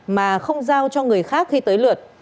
mà không giao cho người khác khi tới lượt